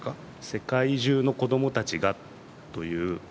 「世界中のこどもたちが」という。